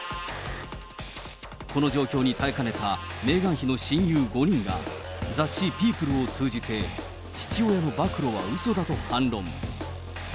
この状況に耐えかねたメーガン妃の親友５人が雑誌、ピープルを通じて父親の暴露はうそだと反論。